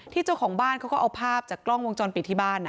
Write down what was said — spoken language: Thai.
เจ้าของบ้านเขาก็เอาภาพจากกล้องวงจรปิดที่บ้าน